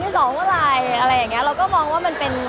มันเป็นเรื่องน่ารักที่เวลาเจอกันเราต้องแซวอะไรอย่างเงี้ย